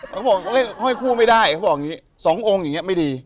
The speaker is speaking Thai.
เขาบอกเล่นห้อยคู่ไม่ได้เขาบอกอย่างนี้สององค์อย่างนี้ไม่ดี